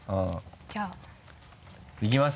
じゃあ。いきます？